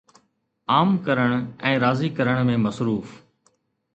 عام ڪرڻ ۽ راضي ڪرڻ ۾ مصروف